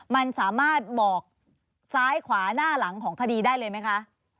มันสามารถบอกซ้ายขวาหน้าหลังของคดีได้เลยไหมคะ